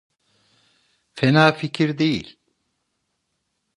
Fena fikir değil…